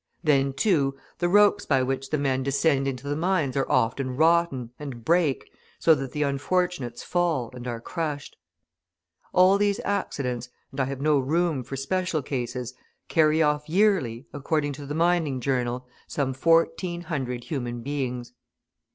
Then, too, the ropes by which the men descend into the mines are often rotten, and break, so that the unfortunates fall, and are crushed. All these accidents, and I have no room for special cases, carry off yearly, according to the Mining Journal, some fourteen hundred human beings.